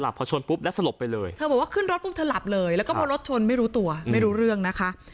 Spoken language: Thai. พอชนปุ๊บแล้วสลบไปเลยเธอบอกว่าขึ้นรถปุ๊บเธอหลับเลยแล้วก็พอรถชนไม่รู้ตัวไม่รู้เรื่องนะคะ